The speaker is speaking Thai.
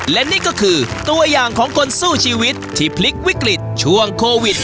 และนี่ก็คือตัวอย่างของคนสู้ชีวิตที่พลิกวิกฤตช่วงโควิด